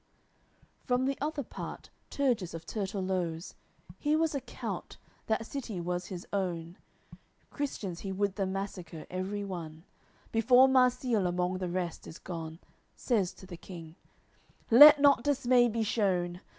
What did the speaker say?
AOI. LXXIV From the other part, Turgis of Turtelose, He was a count, that city was his own; Christians he would them massacre, every one. Before Marsile among the rest is gone, Says to the King: "Let not dismay be shewn!